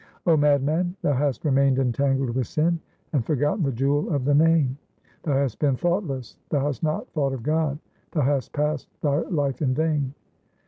O madman, thou hast remained entangled with sin, and forgotten the jewel of the Name ; Thou hast been thoughtless, thou hast not thought of God, thou hast passed thy life in vain.